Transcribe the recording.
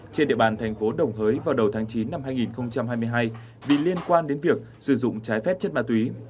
trên địa bàn thành phố đồng hới vào đầu tháng chín năm hai nghìn hai mươi hai vì liên quan đến việc sử dụng trái phép chất ma túy